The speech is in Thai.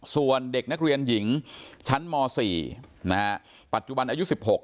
ส่วนเด็กนักเรียนหญิงชั้นม๔ปัจจุบันอายุ๑๖